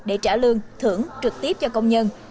để trả lương thưởng trực tiếp cho công nhân